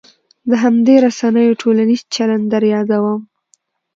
د همدې رسنیو ټولنیز چلن در یادوم.